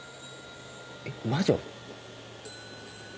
魔女？